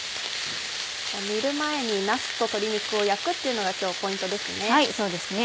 煮る前になすと鶏肉を焼くっていうのが今日ポイントですね？